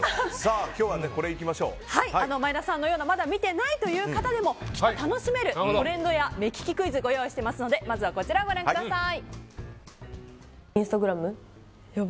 前田さんのようなまだ見ていないという方でもきっと楽しめるトレンド目利きクイズを用意していますのでまずは、こちらをご覧ください。